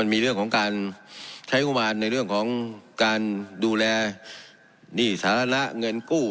มีเรื่องของการใช้งบมารในเรื่องของการดูแลหนี้สาระเงินกู้